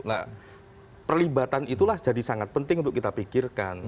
nah perlibatan itulah jadi sangat penting untuk kita pikirkan